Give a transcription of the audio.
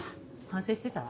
反省してた？